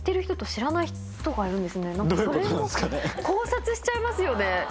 考察しちゃいますよね。